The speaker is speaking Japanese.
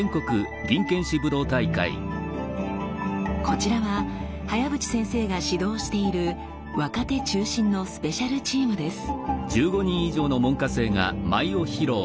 こちらは早淵先生が指導している若手中心のスペシャルチームです。